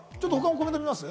コメント見ます？